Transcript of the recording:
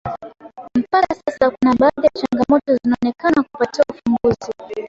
Mpaka sasa kuna baadhi ya changamoto zinaonekana kupatiwa ufumbuzi